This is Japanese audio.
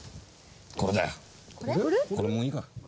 これもういいか。